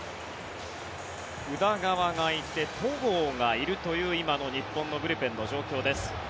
宇田川がいて戸郷がいるという今の日本のブルペンの状況です。